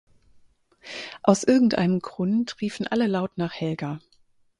Aus irgend einem Grund riefen alle laut nach Helga.